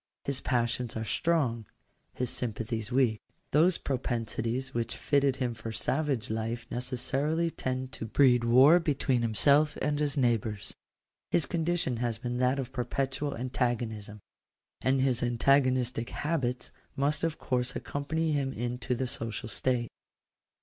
His passions are strong ; his sympathies weak. Those propensities which fitted him for savage life necessarily tend to breed war between himself and his neighbours. His condition has been that of perpetual antagonism; and his antagonistic habits must of course accompany him into the social state.